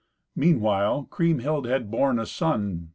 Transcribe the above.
Meanwhile Kriemhild had borne a son.